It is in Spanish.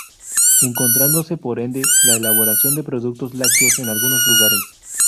Encontrándose por ende la elaboración de productos lácteos en algunos lugares.